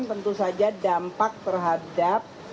tentu saja dampak terhadap